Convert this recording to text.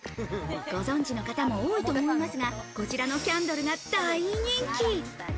ご存知の方も多いと思いますが、こちらのキャンドルが大人気。